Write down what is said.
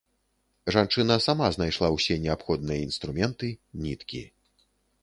Жанчына сама знайшла ўсе неабходныя інструменты, ніткі.